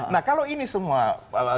nah kalau ini semua